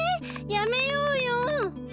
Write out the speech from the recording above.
やめようよ。